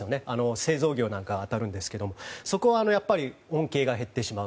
製造業なんかが当たるんですがそこには恩恵が減ってしまう。